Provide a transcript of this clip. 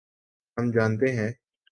ہم جانتے ہیں۔